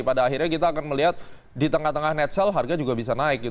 pada akhirnya kita akan melihat di tengah tengah net sale harga juga bisa naik